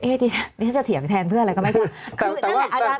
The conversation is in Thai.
เอ๊ะนี่จะเถียงแทนเพื่ออะไรก็ไม่ใช่